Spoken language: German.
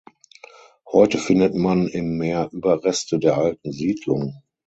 Heute findet man im Meer Überreste der alten Siedlung.